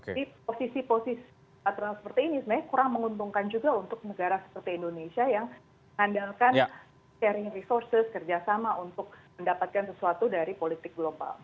jadi posisi posisi trump seperti ini sebenarnya kurang menguntungkan juga untuk negara seperti indonesia yang handalkan sharing resources kerjasama untuk mendapatkan sesuatu dari politik global